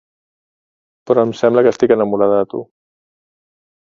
Però em sembla que estic enamorada de tu.